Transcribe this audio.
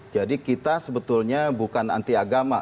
jadi kita sebetulnya bukan anti agama